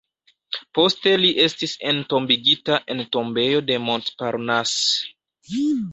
Poste li estis entombigita en tombejo de Montparnasse.